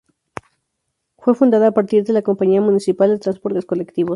Fue fundada a partir de la Compañía Municipal de Transportes Colectivos.